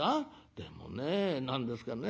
でもね何ですかね